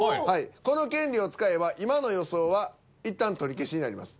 この権利を使えば今の予想は一旦取り消しになります。